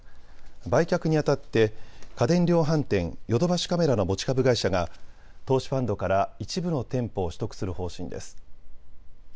売却にあたって家電量販店、ヨドバシカメラの持ち株会社が投資ファンドから一部の店舗を取得する方針です。